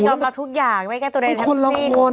ใช่ยอมรับทุกอย่างไม่แก้ตัวในระยะทั้งสิ้น